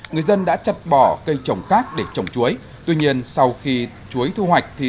người dân đã chặt bỏ cây trồng khác để trồng chuối tuy nhiên sau khi chuối thu hoạch